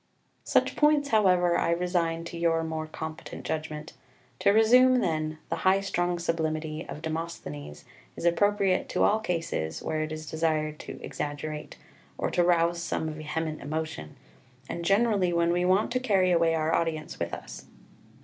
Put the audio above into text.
5 Such points, however, I resign to your more competent judgment. To resume, then, the high strung sublimity of Demosthenes is appropriate to all cases where it is desired to exaggerate, or to rouse some vehement emotion, and generally when we want to carry away our audience with us.